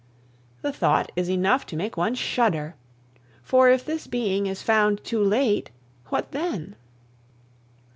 The thought is enough to make one shudder; for if this being is found too late, what then?